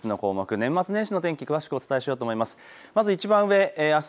年末年始の天気、詳しくお伝えしようと思います。